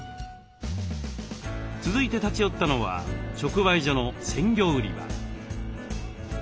続いて立ち寄ったのは直売所の鮮魚売り場。